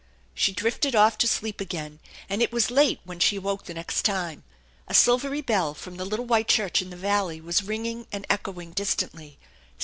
She drifted off to sleep again, and it was late when she awoke the next time. A silvery bell from the little white church in the valley was ringing and echoing distantly.